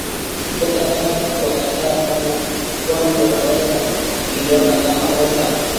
kukosa adabu kuwakataa kwani wanaweza kuiona kama kosa